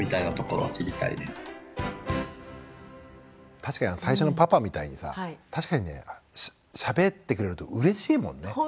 確かに最初のパパみたいにさ確かにねしゃべってくれるとうれしいもんね。